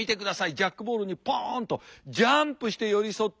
ジャックボールにポンとジャンプして寄り添って。